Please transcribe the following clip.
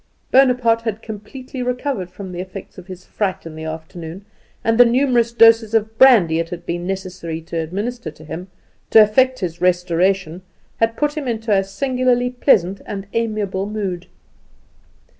Bonaparte had completely recovered from the effects of his fright in the afternoon, and the numerous doses of brandy that it had been necessary to administer to him to effect his restoration had put him into a singularly pleasant and amiable mood.